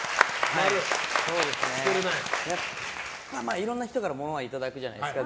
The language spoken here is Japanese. いろいろな人から物をいただくじゃないですか。